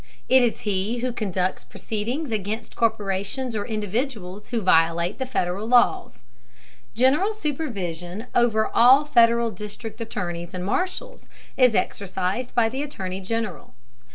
It is he who conducts proceedings against corporations or individuals who violate the Federal laws. General supervision over all Federal district attorneys and marshals is exercised by the Attorney General.